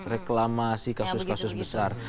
reklamasi kasus kasus besar